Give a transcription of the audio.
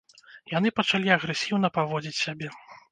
Яны пачалі агрэсіўна паводзіць сябе.